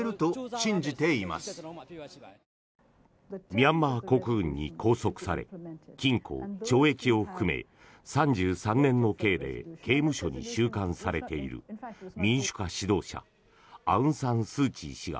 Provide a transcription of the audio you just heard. ミャンマー国軍に拘束され禁錮・懲役を含め３３年の刑で刑務所に収監されている民主化指導者アウンサンスーチー氏が